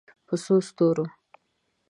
په څو ستورو